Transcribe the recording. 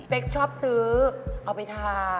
ชอบซื้อเอาไปทา